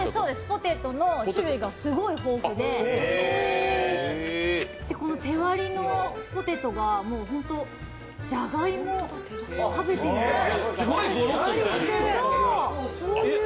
ポテトの種類がすごい豊富で、手割りのポテトがもうほんと、じゃがいもを食べてるような。